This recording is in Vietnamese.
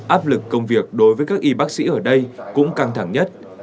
áp lực công việc đối với các y bác sĩ ở đây cũng căng thẳng nhất